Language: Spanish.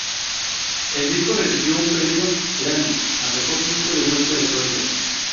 El disco recibió un premio Grammy a mejor disco de música electrónica.